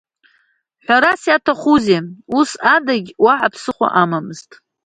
Ҳәарас иаҭахузеи, ус адагьы уаҳа ԥсыхәа амамызт.